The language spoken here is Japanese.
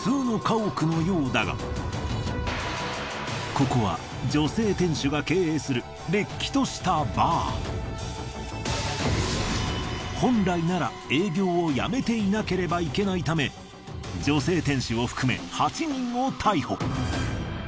ここは本来なら営業をやめていなければいけないため女性店主を含め８人を逮捕。